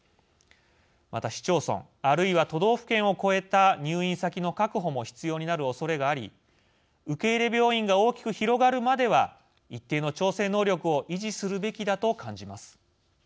また市町村、あるいは都道府県を超えた入院先の確保も必要になるおそれがあり受け入れ病院が大きく広がるまでは一定の調整能力を維持するべきだと感じます。